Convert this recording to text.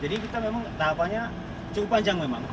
jadi kita memang tahapannya cukup panjang memang